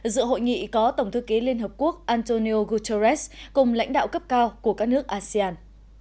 dự hội nghị có tổng thư ký liên hợp quốc antonio guterres cùng lãnh đạo cấp cao của các nước asean